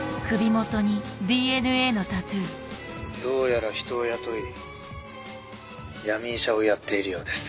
どうやら人を雇い闇医者をやっているようです。